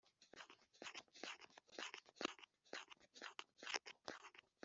Ubushobozi bwa banki bwo gucunga neza umutungo